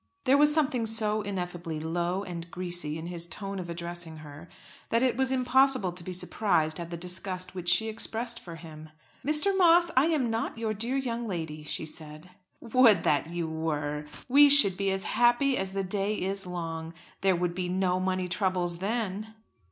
There was something so ineffably low and greasy in his tone of addressing her, that it was impossible to be surprised at the disgust which she expressed for him. "Mr. Moss, I am not your dear young lady," she said. "Would that you were! We should be as happy as the day is long. There would be no money troubles then."